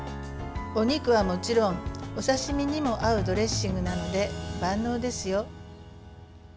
お肉はもちろんお刺身にも合うドレッシングなので万能ですよ。